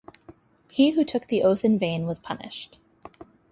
He who took the oath in vain was punished.